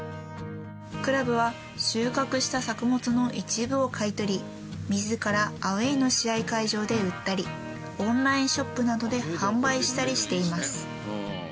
クラブは収穫した作物の一部を買い取り自らアウェイの試合会場で売ったりオンラインショップなどで販売したりしています。